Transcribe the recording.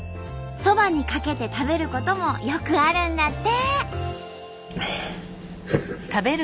そばにかけて食べることもよくあるんだって。